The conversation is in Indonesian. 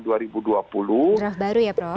draft baru ya prof